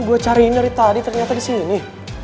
gue cariinnya tadi ternyata disini